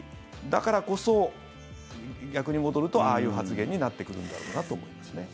だからこそ、逆に戻るとああいう発言になってくるんだろうなと思いますね。